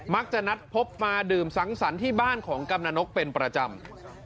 มักจะนัดพบมาดื่มสังสรรค์ที่บ้านของกำนันนกเป็นประจำ